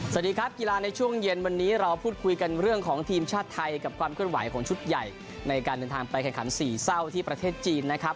สวัสดีครับกีฬาในช่วงเย็นวันนี้เราพูดคุยกันเรื่องของทีมชาติไทยกับความเคลื่อนไหวของชุดใหญ่ในการเดินทางไปแข่งขันสี่เศร้าที่ประเทศจีนนะครับ